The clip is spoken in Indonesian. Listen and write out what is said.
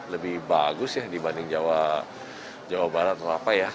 lebih bagus ya dibanding jawa barat atau apa ya